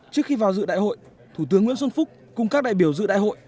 trước khi vào dự đại hội thủ tướng nguyễn xuân phúc cùng các đại biểu dự đại hội